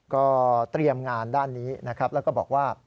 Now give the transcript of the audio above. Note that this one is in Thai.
ก็เตรียมงานด้านนี้นะครับแล้วก็บอกว่า